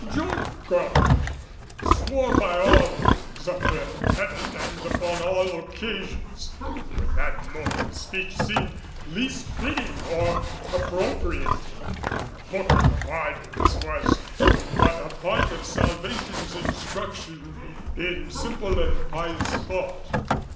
Job Goddard swore by all things under heaven and upon all occasions when that mode of speech seemed least fitting or appropriate; and the book of the martyrs was but a part of Salvation's instruction in simple and pious thought.